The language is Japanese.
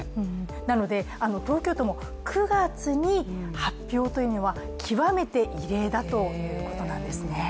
なので東京都も９月に発表というのは極めて異例だということなんですね。